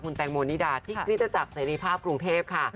คุณแตงโมนิดาที่กรีตจากเสรีภาพกรุงเทพฯค่ะ